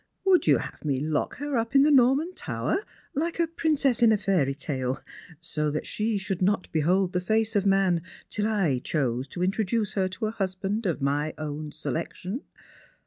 Would you have me lock her up in the Norman lower, like a princess in a fairy tale, so that she should not behold the face of man till I chose to introduce her to a husband of my own selection?